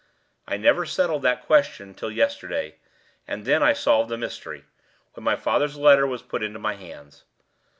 I never settled that question till yesterday, and then I solved the mystery, when my father's letter was put into my hands.